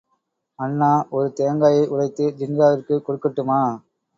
அண்ணா, ஒரு தேங்காயை உடைத்து ஜின்காவிற்குக் கொடுக்கட்டுமா?